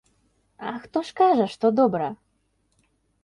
А хто ж кажа, што добра?